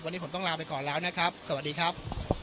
วันนี้ผมต้องลาไปก่อนแล้วนะครับสวัสดีครับ